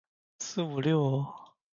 四五六